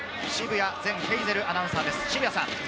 澁谷善ヘイゼルアナウンサーです。